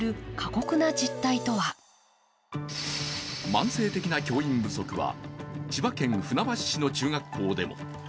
慢性的な教員不足は千葉県船橋市の中学校でも。